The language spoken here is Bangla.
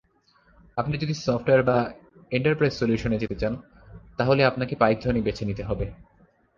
আপনি যদি সফটওয়্যার বা এন্টারপ্রাইজ সলিউশনে যেতে চান তাহলে আপনাকে পাইথনেই বেছে নিতে হবে।